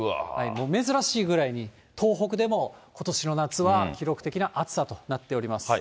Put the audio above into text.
珍しいぐらいに東北でもことしの夏は記録的な暑さとなっております。